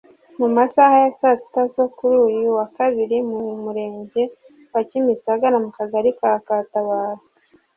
Mu masaha ya saa sita zo kuri uyu wa Kabiri mu murenge wa Kimisagara mu kagari ka Katabaro